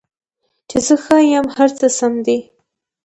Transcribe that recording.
چې زه ښه یم، هر څه سم دي